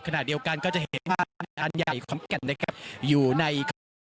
ขณะเดียวกันก็จะเห็นอันใหญ่ของเขานะครับอยู่ใน